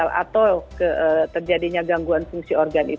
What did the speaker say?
oke kita lihat tempatnya ini senang terus cepat